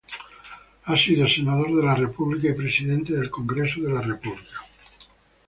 Ha sido senador de la República y presidente del Congreso de la República.